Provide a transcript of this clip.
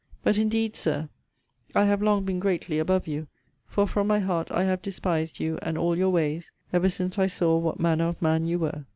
But, indeed, Sir, I have long been greatly above you; for from my heart I have despised you, and all your ways, ever since I saw what manner of man you were.